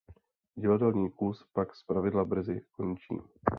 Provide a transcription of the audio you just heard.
Divadelní kus pak zpravidla brzy končí.